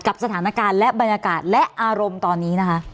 สถานการณ์และบรรยากาศและอารมณ์ตอนนี้นะคะ